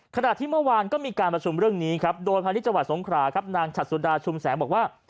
ขณะที่เมื่อวานก็มีการประชุมเรื่องนี้ครับโดยพาณิชยจังหวัดสงขราครับนางฉัดสุดาชุมแสงบอกว่า